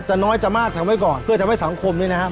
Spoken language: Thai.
น้อยจะมากทำไว้ก่อนเพื่อทำให้สังคมเนี่ยนะฮะ